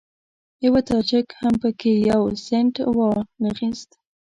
یوه تاجک هم په کې یو سینټ وانخیست.